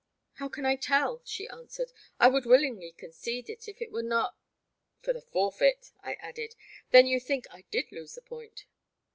'* "How can I tell," she answered; *'I would willingly concede it if it were not '*" For the forfeit," I added ; *'then you think I did lose the point